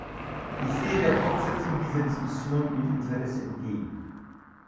Ich sehe der Fortsetzung dieser Diskussion mit Interesse entgegen.